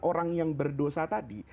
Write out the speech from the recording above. orang yang berdosa tadi